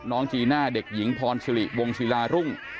น้องจีน่าเด็กหญิงพรสิริวงศิลารุ่ง